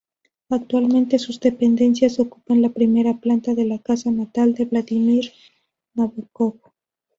Actualmente sus dependencias ocupan la primera planta de la casa natal de Vladímir Nabókov.